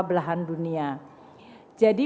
belahan dunia jadi